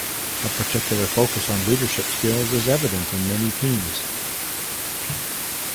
A particular focus on leadership skills is evident in many teams.